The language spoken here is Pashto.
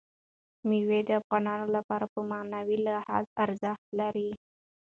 مېوې د افغانانو لپاره په معنوي لحاظ ارزښت لري.